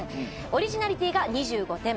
オリジナリティーが２５点。